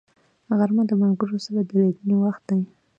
غرمه د ملګرو سره د لیدنې وخت دی